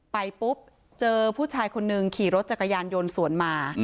ไปปุ๊บเจอผู้ชายคนนึงขี่รถจักรยานยนต์สวนมา